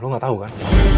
lo gak tau kan